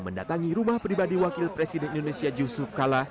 mendatangi rumah pribadi wakil presiden indonesia yusuf kala